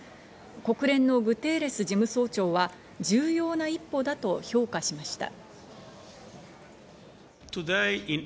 国連のグテーレス事務総長は重要な一歩だと評価しました。